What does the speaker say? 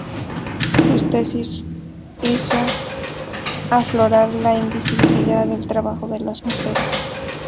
Su tesis hizo aflorar la invisibilidad del trabajo de las mujeres.